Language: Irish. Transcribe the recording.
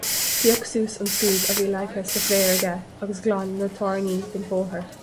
Phioc suas an scuab a bhí leagtha sa bhféar aige agus ghlan na tairní den bhóthar.